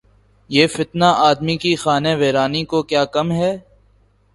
یہ فتنہ‘ آدمی کی خانہ ویرانی کو کیا کم ہے؟